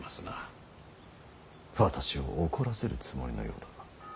私を怒らせるつもりのようだ。